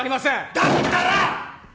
だったら！